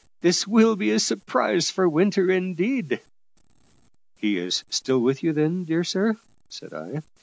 This will be a surprise for Winter, indeed." "He is still with you, then, dear sir?" said I.